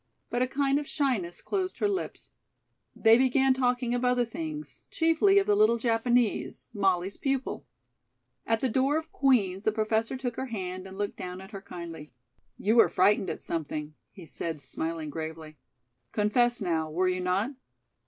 But a kind of shyness closed her lips. They began talking of other things, chiefly of the little Japanese, Molly's pupil. At the door of Queen's, the Professor took her hand and looked down at her kindly. "You were frightened at something," he said, smiling gravely. "Confess, now, were you not?"